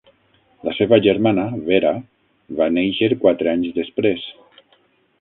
La seva germana, Vera, va néixer quatre anys després.